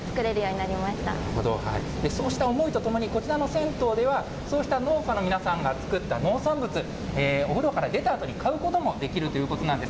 なるほど、そうした思いとともに、こちらの銭湯では、そうした農家の皆さんが作った農産物、お風呂から出たあとに買うこともできるということなんです。